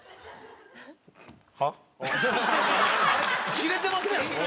キレてますやん！